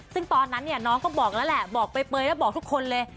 ซึ่งตอนนั้นเนี่ยน้องก็บอกแล้วแหละบอกเปลยแล้วบอกทุกคนเลย